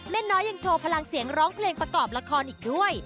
น้อยยังโชว์พลังเสียงร้องเพลงประกอบละครอีกด้วย